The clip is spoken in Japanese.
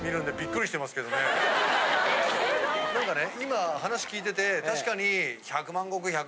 ・すごい・今話聞いてて確かに。